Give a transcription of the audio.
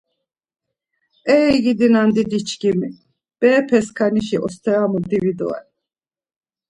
Ey gidi nandidiçkimi, berepeskanişi osteramu divi doren.